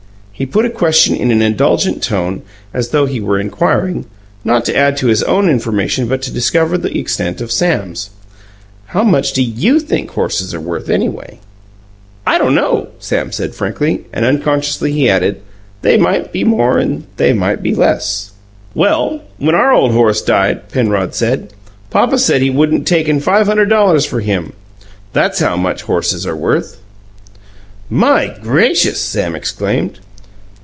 He put a question in an indulgent tone, as though he were inquiring, not to add to his own information but to discover the extent of Sam's. "How much do you think horses are worth, anyway?" "I don't know," Sam said frankly, and, unconsciously, he added, "They might be more and they might be less." "Well, when our ole horse died," Penrod said, "Papa said he wouldn't taken five hunderd dollars for him. That's how much HORSES are worth!" "My gracious!" Sam exclaimed.